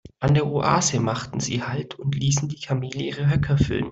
An der Oase machten sie Halt und ließen die Kamele ihre Höcker füllen.